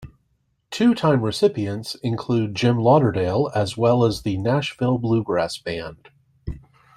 Two-time recipients include Jim Lauderdale as well as the Nashville Bluegrass Band.